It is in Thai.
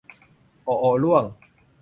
โอะโอะร่วง